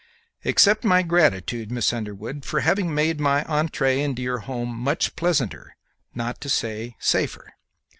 "Accept my gratitude, Miss Underwood, for having made my entrée to your home much pleasanter, not to say safer."